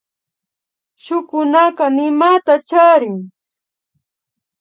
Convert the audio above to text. Shukunaka nimata charin